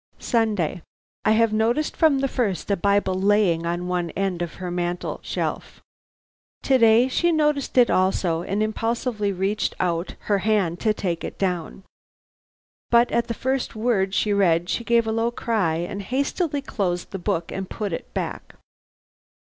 "Sunday. "I have noticed from the first a Bible lying on one end of her mantel shelf. To day she noticed it also, and impulsively reached out her hand to take it down. But at the first word she read she gave a low cry and hastily closed the book and put it back.